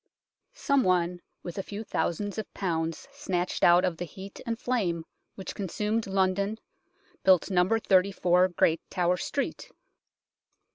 Some one with a few thousands of pounds snatched out of the heat and flame which con sumed London built No. 34 Great Tower Street.